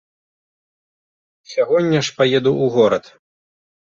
Сягоння ж паеду ў горад.